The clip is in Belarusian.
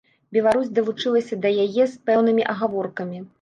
Беларусь далучылася да яе з пэўнымі агаворкамі.